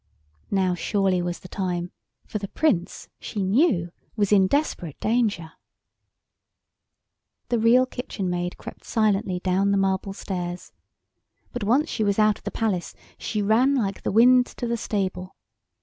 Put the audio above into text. Now surely was the time, for the Prince, she knew, was in desperate danger. The Real Kitchen Maid crept silently down the marble stairs, but once she was out of the Palace she ran like the wind to the stable.